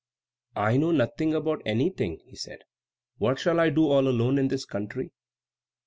"I know nothing about anything," he said. "What shall I do all alone in this country?"